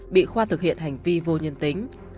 bị khoa thực hiện hành vi vô nhân tính